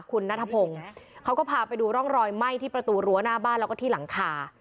คุณนัทพงศ์เขาก็พาไปดูร่องรอยไหม้ที่ประตูรั้วหน้าบ้านแล้วก็ที่หลังคา